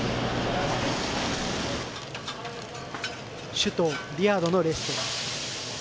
首都リヤドのレストラン。